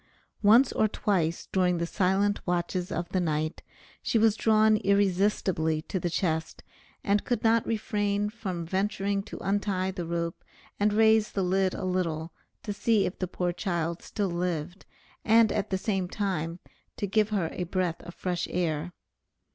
Once or twice, during the silent watches of the night, she was drawn irresistibly to the chest, and could not refrain from venturing to untie the rope and raise the lid a little, to see if the poor child still lived, and at the same time to give her a breath of fresh air.